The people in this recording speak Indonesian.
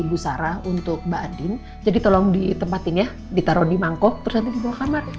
busara untuk badin jadi tolong ditempatin ya ditaruh di mangkok terjadi di bawah kamar